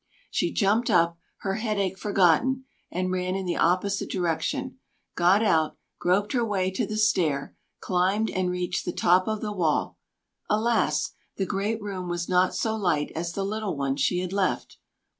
She jumped up, her headache forgotten, and ran in the opposite direction; got out, groped her way to the stair, climbed, and reached the top of the wall. Alas! the great room was not so light as the little one she had left.